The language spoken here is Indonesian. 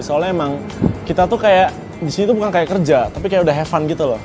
soalnya emang kita tuh kayak disini tuh bukan kayak kerja tapi kayak udah have fun gitu loh